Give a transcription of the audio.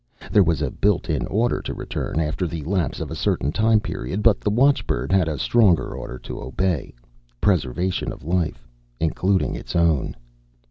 There was a built in order to return, after the lapse of a certain time period. But the watchbird had a stronger order to obey preservation of life, including its own.